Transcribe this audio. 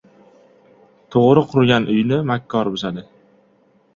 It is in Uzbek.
• To‘g‘ri qurgan uyni makkor buzadi.